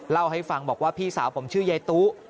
เล่าให้ฟังบอกว่าพี่สาวผมชื่อยายตุ